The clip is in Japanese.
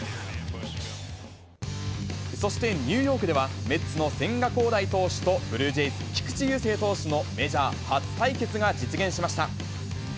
そしてニューヨークでは、メッツの千賀滉大投手とブルージェイズ、菊池雄星投手のメジャー初対決が実現しました。